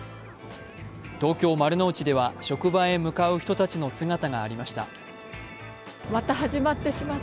東京・丸の内では職場へ向かう人たちの姿がありました。